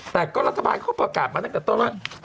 แต่ก็รัฐบาลเขาประกาศมาตั้งแต่ต้นว่า